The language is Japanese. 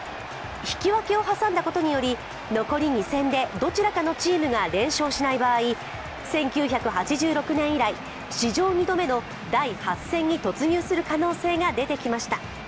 引き分けを挟んだことにより残り２戦でどちらかのチームが連勝しない場合１９８６年以来、史上２度目の第８戦に突入する可能性が出てきました。